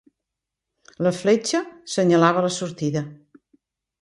La fletxa senyalava la sortida.